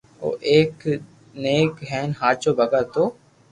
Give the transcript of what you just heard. او ايڪ نيڪ ھين ھاچو ڀگت ھتو